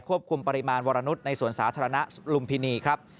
คุมปริมาณวรนุษย์ในสวนสาธารณะลุมพินีครับ